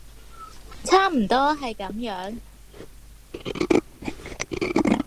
差唔多係噉樣